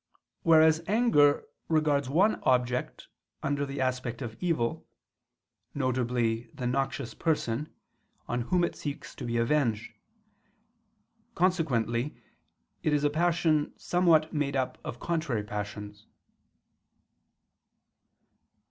Whereas anger regards one object under the aspect of evil, viz. the noxious person, on whom it seeks to be avenged. Consequently it is a passion somewhat made up of contrary passions.